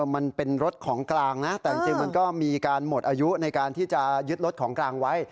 มันเป็นรถของกลางนะแต่จริงมันก็มีการหมดอายุในการที่จะยึดรถของกลางไว้